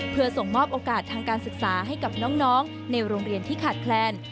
เพื่อส่งมอบโอกาสทางการศึกษาให้กับน้องในโรงเรียนที่ขาดแคลน